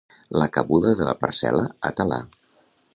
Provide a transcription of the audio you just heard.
La cabuda de la parcel·la a talar.